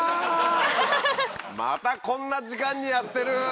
またこんな時間にやってる！